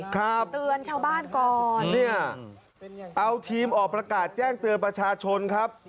ครับนี่เอาทีมออกประกาศแจ้งเตือนประชาชนครับ